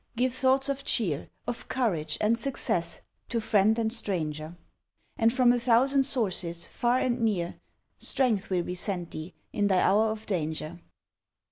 Give thoughts of cheer, Of courage and success, to friend and stranger. And from a thousand sources, far and near, Strength will be sent thee in thy hour of danger.